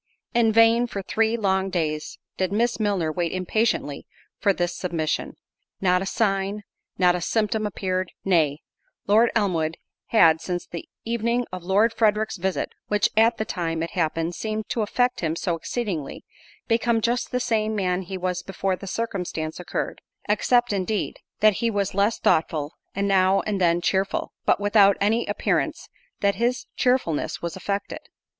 In vain, for three long days, did Miss Milner wait impatiently for this submission; not a sign, not a symptom appeared—nay, Lord Elmwood had, since the evening of Lord Frederick's visit, (which, at the time it happened, seemed to affect him so exceedingly) become just the same man he was before the circumstance occurred; except, indeed, that he was less thoughtful, and now and then cheerful; but without any appearance that his cheerfulness was affected.